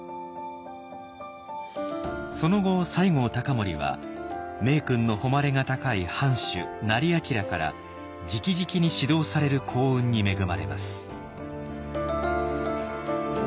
その後西郷隆盛は名君の誉れが高い藩主斉彬からじきじきに指導される幸運に恵まれます。